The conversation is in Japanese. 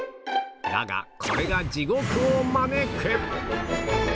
だが、これが地獄を招く。